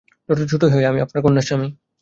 যত ছোটই হই, আমি আপনার কন্যার স্বামী।